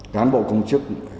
cán bộ công chức